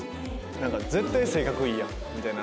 なんか絶対性格いいやんみたいな。